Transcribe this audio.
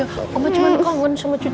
om ma cuman kangen sama cucu om ma